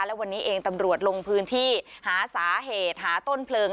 และวันนี้เองตำรวจลงพื้นที่หาสาเหตุหาต้นเพลิง